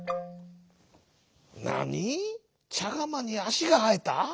「なに？ちゃがまにあしがはえた？